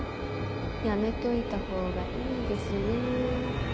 やめといたほうがいいですよ。